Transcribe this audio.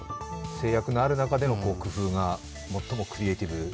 制約がある中での工夫が最もクリエーティブ。